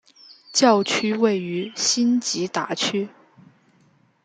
教区位于辛吉达区。